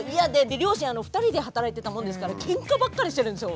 両親２人で働いていたもんですからけんかばっかりしてるんですよ。